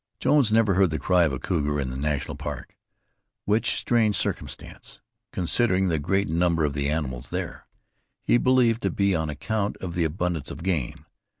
Jones never heard the cry of a cougar in the National Park, which strange circumstance, considering the great number of the animals there, he believed to be on account of the abundance of game.